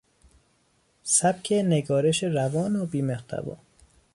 سبک نگارش روان و بیمحتوا